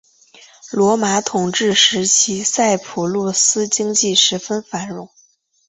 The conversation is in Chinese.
罗马统治时期塞浦路斯经济十分繁荣。